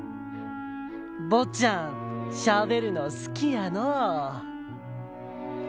ぼっちゃんしゃべるの好きやのう。